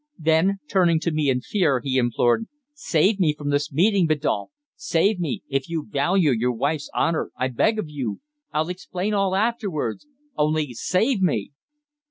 Then, turning to me in fear, he implored: "Save me from this meeting, Biddulph! Save me if you value your wife's honour, I beg of you. I'll explain all afterwards. _Only save me!